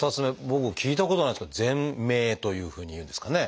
僕聞いたことないんですけど「ぜん鳴」というふうにいうんですかね。